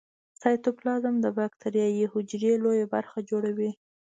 سایتوپلازم د باکتریايي حجرې لویه برخه جوړوي.